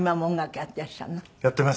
やっています。